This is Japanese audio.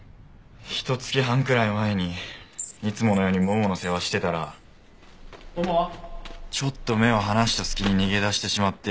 ひと月半くらい前にいつものようにももの世話してたらちょっと目を離した隙に逃げ出してしまって。